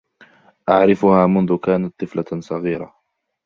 أعرفها منذ كانت طفلة صغيرة.